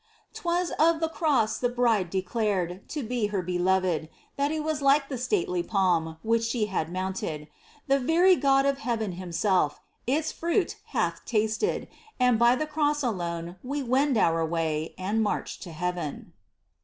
'Twas of the Cross the Bride declared To her Beloved That it was like the stately palm Which she had mounted. The very God of heaven Himself Its fruit hath tasted. And by the Cross alone we wend our way And march to heaven.